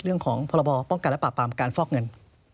เรื่องของพรบป้องกันและปราบปรามการฟอกเงิน